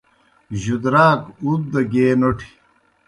جُدراک اُوت دہ گیے نوٹھیْ۔